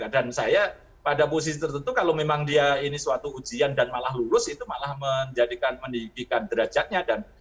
saya pada posisi tertentu kalau memang dia ini suatu ujian dan malah lulus itu malah menjadikan meninggikan derajatnya